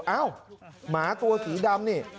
เอ้าหมาตัวสีดำนี่